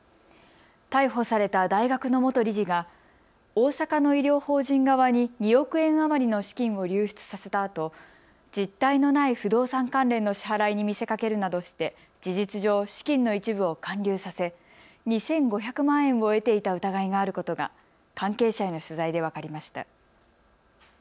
逮捕された大学の元理事が大阪の医療法人側に２億円余りの資金を流出させたあと実態のない不動産関連の支払いに見せかけるなどして事実上資金の一部を還流させ２５００万円を得ていた疑いがあることが関係者への取材で分かりました。